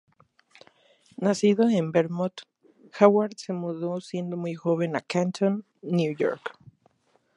Nacido en Vermont, Hayward se mudó siendo muy joven a Canton, New York.